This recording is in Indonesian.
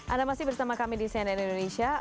anda masih bersama kami di cnn indonesia